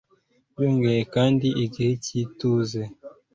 Byongeye kandi igihe cy'ituze,